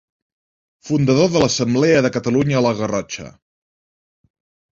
Fundador de l'Assemblea de Catalunya a la Garrotxa.